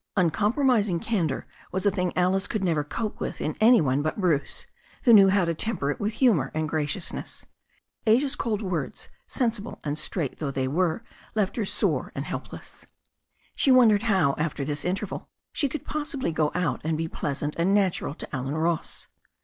Uncompromising candour was a thing Alice never could cope with in any one but Bruce, who knew how to temper it with humour and graciousness. Asia's cold words, sen sible and straight though they were, left her sore and help less. She wondered how, after this interview, she could pos sibly go out and be pleasant and natural to Allen Ross.